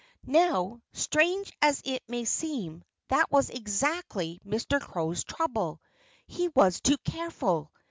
Now, strange as it may seem, that was exactly Mr. Crow's trouble. He was too careful!